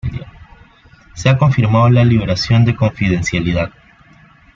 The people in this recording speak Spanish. Se ha confirmado la liberación de confidencialidad.